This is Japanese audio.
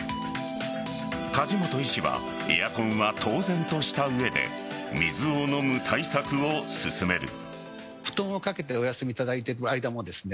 梶本医師はエアコンは当然とした上で水を飲む対策を勧める。